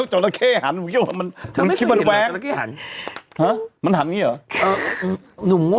ห้้ามันหันนี้เหรอ